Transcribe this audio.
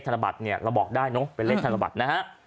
เราบอกว่าได้เนี่ยเป็นธนบัตรนะฮะ